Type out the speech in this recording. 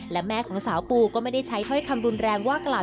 และแม่ของสาวปูก็ไม่ได้ใช้ถ้อยคำรุนแรงว่ากล่าว